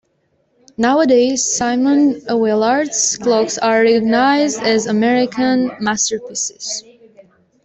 Nowadays, Simon Willard's clocks are recognized as American masterpieces.